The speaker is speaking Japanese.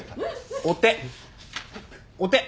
お手。